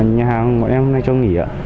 nhà hàng bọn em hôm nay trông nghỉ ạ